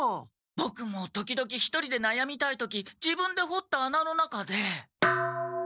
ボクも時々１人でなやみたい時自分でほった穴の中で。